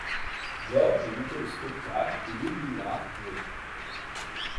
Georges montait le spectacle et Ludmilla jouait.